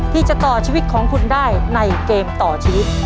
ที่จะต่อชีวิตของคุณได้ในเกมต่อชีวิต